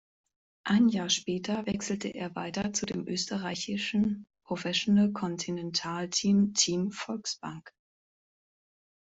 Ein Jahr später wechselte er weiter zu dem österreichischen Professional Continental Team Team Volksbank.